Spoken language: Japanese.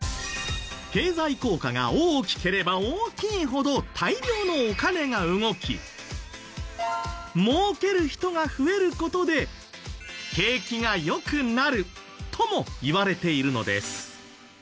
経済効果が大きければ大きいほど大量のお金が動き儲ける人が増える事で景気が良くなるともいわれているのです。